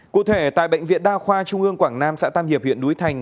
cụ thể tại bệnh viện đa khoa trung ương quảng nam xã tam hiệp huyện núi thành